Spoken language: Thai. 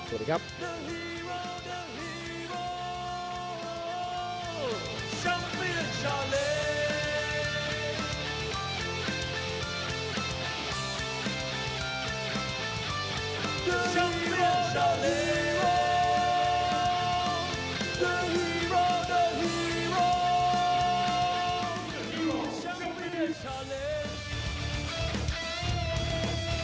โปรดติดตามตอนต่อไป